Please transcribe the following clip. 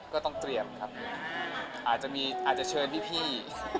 ก็ต้องเตรียมครับอาจจะเชิญพี่